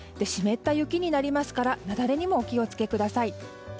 湿った雪になりますから雪崩にもお気を付けください。